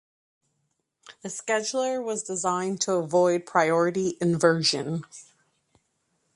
The scheduler was designed to avoid priority inversion.